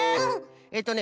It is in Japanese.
えっとね